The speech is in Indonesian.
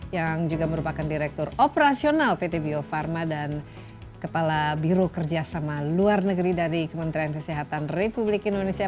yang juga merupakan direktur operasional pt bio farma dan kepala biro kerjasama luar negeri dari kementerian kesehatan republik indonesia